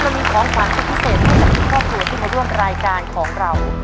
ก็จะมีของฝังที่พิเศษเพื่อจัดการที่จะร่วมรายการของเรา